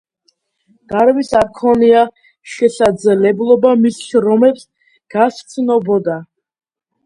დარვინს არ ჰქონია შესაძლებლობა მის შრომებს გასცნობოდა.